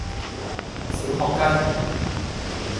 小學雞